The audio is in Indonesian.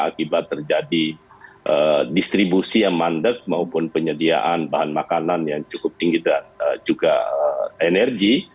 akibat terjadi distribusi yang mandek maupun penyediaan bahan makanan yang cukup tinggi dan juga energi